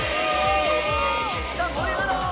さあもり上がろう！